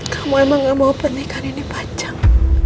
kamu emang gak mau pernikahan ini panjang